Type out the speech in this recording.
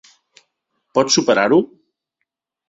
Pots superar-ho?